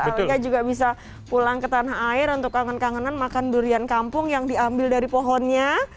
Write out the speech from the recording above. alika juga bisa pulang ke tanah air untuk kangen kangenan makan durian kampung yang diambil dari pohonnya